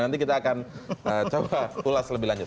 nanti kita akan coba ulas lebih lanjut